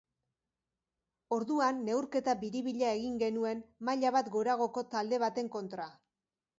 Orduan neurketa biribila egin genuen maila bat goragoko talde baten kontra.